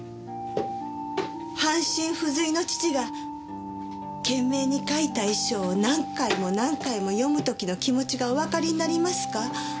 半身不随の父が懸命に書いた遺書を何回も何回も読む時の気持ちがおわかりになりますか？